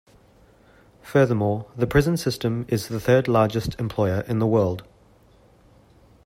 Furthermore, the prison system is the third largest employer in the world.